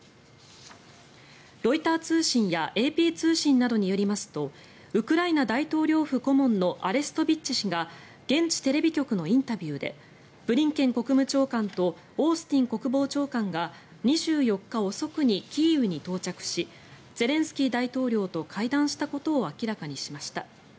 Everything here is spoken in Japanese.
ロイター通信やＡＰ通信などによりますとウクライナ大統領府顧問のアレストビッチ氏が現地テレビ局のインタビューでブリンケン国務長官とオースティン国防長官が２４日遅くにキーウに到着しゼレンスキー大統領と会談したことを明らかにしました。